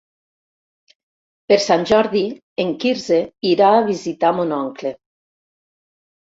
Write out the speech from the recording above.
Per Sant Jordi en Quirze irà a visitar mon oncle.